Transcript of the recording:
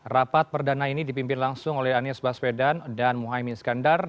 rapat perdana ini dipimpin langsung oleh anies baswedan dan muhaymin skandar